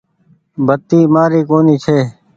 بتي مآري ڪونيٚ ڇي۔